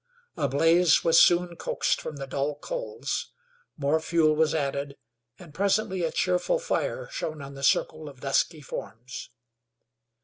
A blaze was soon coaxed from the dull coals, more fuel was added, and presently a cheerful fire shone on the circle of dusky forms.